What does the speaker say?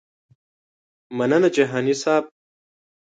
مننه جهاني صیب.